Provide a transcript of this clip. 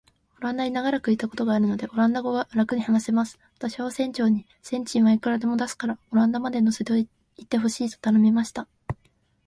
オランダに長らくいたことがあるので、オランダ語はらくに話せます。私は船長に、船賃はいくらでも出すから、オランダまで乗せて行ってほしいと頼みました。